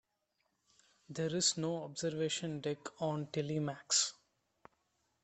There is no observation deck on the Telemax.